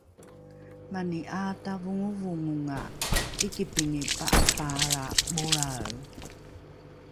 mani ’aatavongovongonga ’ikipingi pa’apaalra molrae